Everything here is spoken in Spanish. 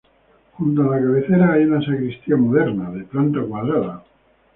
Junto a la cabecera hay una sacristía moderna, de planta cuadrada.